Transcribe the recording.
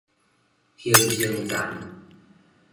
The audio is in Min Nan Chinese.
形成層